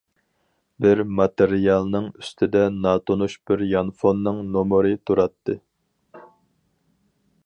بىر ماتېرىيالنىڭ ئۈستىدە ناتونۇش بىر يانفوننىڭ نومۇرى تۇراتتى.